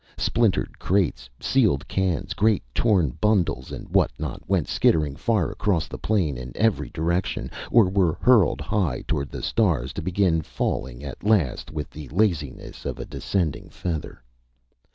Splintered crates, sealed cans, great torn bundles and what not, went skittering far across the plain in every direction, or were hurled high toward the stars, to begin falling at last with the laziness of a descending feather.